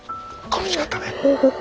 苦しかったね。